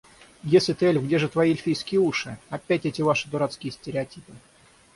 «Если ты эльф, где же твои эльфийские уши?» — «Опять эти ваши дурацкие стереотипы!»